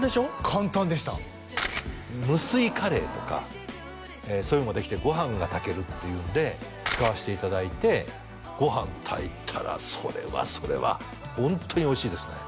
簡単でした無水カレーとかそういうのもできてご飯が炊けるっていうんで使わせていただいてご飯炊いたらそれはそれはホントにおいしいですね